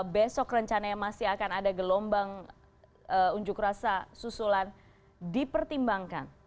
besok rencananya masih akan ada gelombang unjuk rasa susulan dipertimbangkan